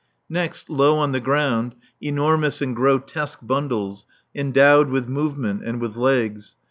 Next, low on the ground, enormous and grotesque bundles, endowed with movement and with legs.